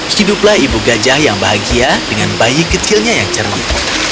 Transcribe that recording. hiduplah ibu gajah yang bahagia dengan bayi kecilnya yang cermat